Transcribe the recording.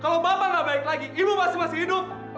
kalau bapak nggak baik lagi ibu masih masih hidup